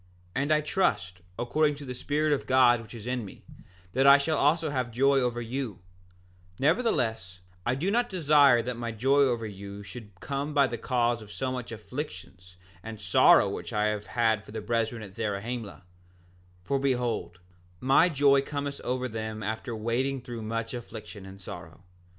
7:5 And I trust, according to the Spirit of God which is in me, that I shall also have joy over you; nevertheless I do not desire that my joy over you should come by the cause of so much afflictions and sorrow which I have had for the brethren at Zarahemla, for behold, my joy cometh over them after wading through much affliction and sorrow.